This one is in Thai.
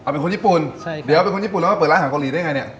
เป็นคนญี่ปุ่นใช่ครับเดี๋ยวเป็นคนญี่ปุ่นแล้วมาเปิดร้านอาหารเกาหลีได้ไงเนี่ย